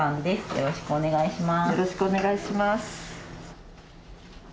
よろしくお願いします。